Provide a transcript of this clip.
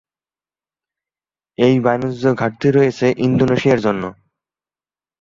এই বাণিজ্য ঘাটতি রয়েছে ইন্দোনেশিয়ার জন্য।